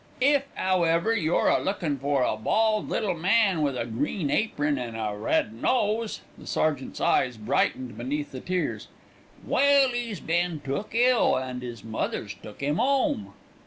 If, 'owever, you're a lookin' for a bald little man with a green apron and a red nose" the sergeant's eyes brightened beneath the tears "well, 'e's bin took ill, an' 'is mother's took 'im 'ome.